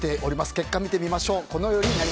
結果見てみましょう。